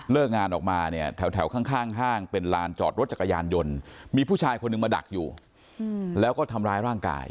งานออกมาเนี่ยแถวข้างห้างเป็นลานจอดรถจักรยานยนต์มีผู้ชายคนหนึ่งมาดักอยู่แล้วก็ทำร้ายร่างกาย